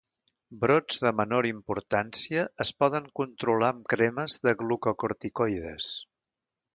Brots de menor importància es poden controlar amb cremes de glucocorticoides.